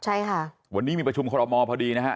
ใช่ค่ะวันนี้มีประชุมคอรมอลพอดีนะฮะ